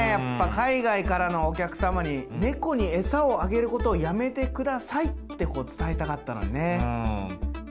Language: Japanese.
海外からのお客様に「猫に餌をあげることをやめてください」ってこう伝えたかったのにね。